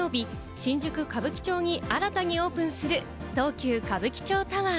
来週金曜日、新宿・歌舞伎町に新たにオープンする東急歌舞伎町タワー。